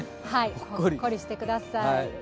ほっこりしてください。